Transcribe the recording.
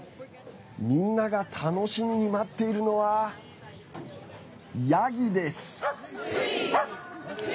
みんなが楽しみに待っているのはヤギです。